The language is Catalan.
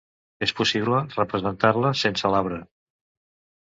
És possible representar-la sense l’arbre.